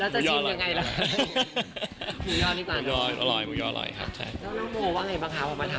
แต่อุดหนุน